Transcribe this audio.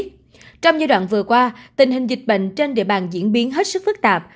trong giai đoạn vừa qua tình hình dịch bệnh trên địa bàn diễn biến hết sức phức tạp